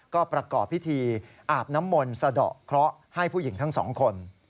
ก็ประกอบพิธีอาบน้ำมนต์สะดอกเคราะห์ให้ผู้หญิงทั้งสองคน